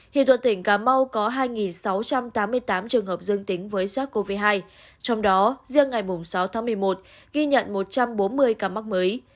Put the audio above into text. hiện toàn tỉnh cà mau có hai sáu trăm tám mươi tám trường hợp dương tính với sars cov hai trong đó riêng ngày sáu tháng một mươi một ghi nhận một trăm bốn mươi ca mắc mới